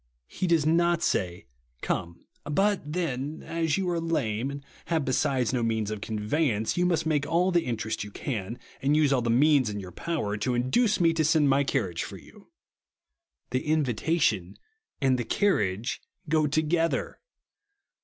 He does not say, "Come ; but then, as you are lame, and liave besides no means of conve3^ance, you must make all the interest you can, and use all the means in your power, to induce me to send my caniage for you." The invitation and the carriage go togetlier.